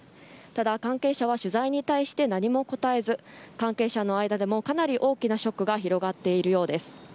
ただ、関係者は取材に対して何も答えず関係者の間でも、かなり大きなショックが広がっているようです。